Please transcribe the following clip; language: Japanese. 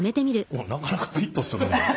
おっなかなかフィットする。